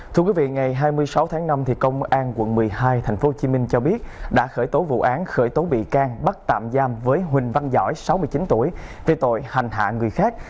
thưa quý vị ngày hai mươi sáu tháng năm công an quận một mươi hai tp hcm cho biết đã khởi tố vụ án khởi tố bị can bắt tạm giam với huỳnh văn giỏi sáu mươi chín tuổi về tội hành hạ người khác